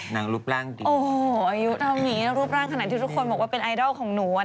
รูปร่างดีโอ้โหอายุเท่านี้รูปร่างขนาดที่ทุกคนบอกว่าเป็นไอดอลของหนู